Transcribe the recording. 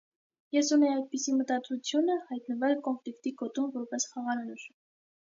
Ես ունեի այդպիսի մտադրությունը՝ հայտնվել կոնֆլիկտի գոտում որպես խաղաղարար։